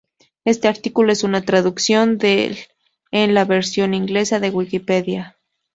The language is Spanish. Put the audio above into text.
Este artículo es una traducción del en la versión inglesa de Wikipedia.